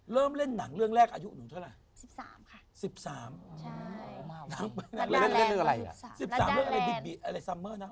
เริ่มเล่นหนังเรื่องแลกอายุ๑๓นั้นเล่นอะไรนะ